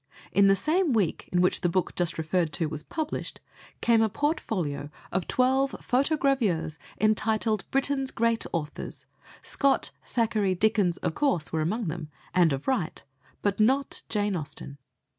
In the same week in which the book just referred to was published, came a portfolio of twelve photogravures entitled Britain's Great Authors. Scott, Thackeray, Dickens, of course, were among them, and of right, but not Jane Austen.